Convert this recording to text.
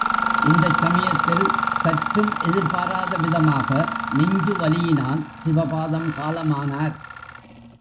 இந்த சமயத்தில் சற்றும் எதிர்பாராத விதமாக நெஞ்சுவலியினால் சிவபாதம் காலமானார்.